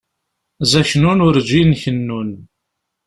Zaknun urǧin kennun.